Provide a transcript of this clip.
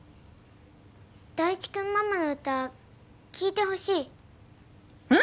大地くんママの歌聞いてほしいん！？